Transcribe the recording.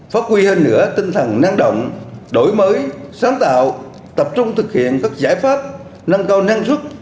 phát huy hơn nữa tinh thần năng động đổi mới sáng tạo tập trung thực hiện các giải pháp nâng cao năng suất